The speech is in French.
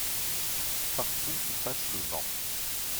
Partout où passe le vent